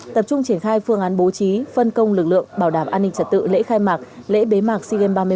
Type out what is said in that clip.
tập trung triển khai phương án bố trí phân công lực lượng bảo đảm an ninh trật tự lễ khai mạc lễ bế mạc sigen ba mươi một